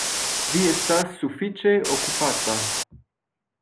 Vi estas sufiĉe okupata.